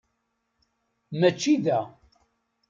Mačči da.